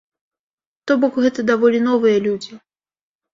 То бок гэта даволі новыя людзі.